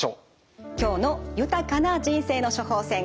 今日の「豊かな人生の処方せん」